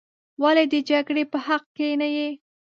ولې د جګړې په حق کې نه یې.